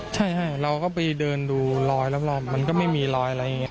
ใช่เราก็ไปเดินดูรอยรอบมันก็ไม่มีรอยอะไรอย่างนี้